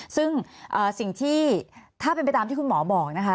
ซึ่งสิ่งที่ถ้าเป็นไปตามที่คุณหมอบอกนะคะ